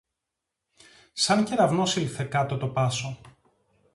Σαν κεραυνός ήλθε κάτω το πάσο!